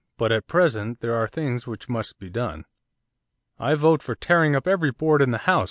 But, at present, there are things which must be done.' 'I vote for tearing up every board in the house!